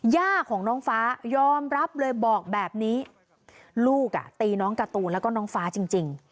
ย่าของน้องฟ้ายอมรับเลยบอกแบบนี้ลูกอ่ะตีน้องการ์ตูนแล้วก็น้องฟ้าจริง